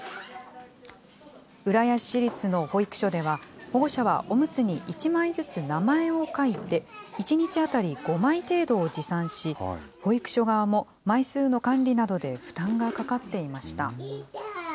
浦安市立の保育所では、保護者はおむつに１枚ずつ名前を書いて、１日当たり５枚程度を持参し、保育所側も枚数の管理などで負担がかかっていました。